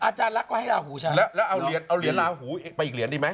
อาจารย์ลักษณ์ก็ให้ลาหูใช่แล้วเอาเหรียญลาหูไปอีกเหรียญดีไหม